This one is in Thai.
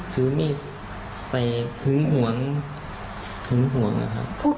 ถือมีดไปหึงหวงหึงห่วงนะครับ